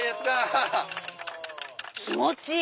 気持ちいい。